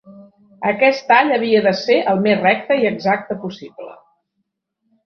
Aquest tall havia de ser al més recte i exacte possible.